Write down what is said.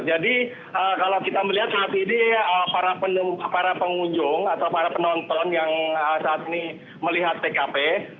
jadi kalau kita melihat saat ini para pengunjung atau para penonton yang saat ini melihat tkp